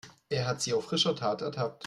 Er hat sie auf frischer Tat ertappt.